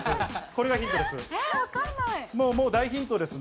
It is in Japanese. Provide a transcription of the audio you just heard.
これがヒントです。